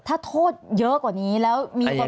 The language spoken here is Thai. ถ้าโทษเยอะกว่านี้แล้วมีคนมารับสารภาพ